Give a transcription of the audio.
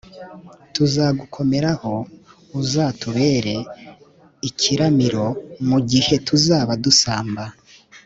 tuzagukomeraho! uzatubere ikiramiro mu gihe tuzaba dusamba